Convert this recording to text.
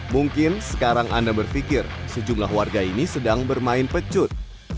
mungkin sekarang anda berpikir sejumlah warga ini sedang bermain pecut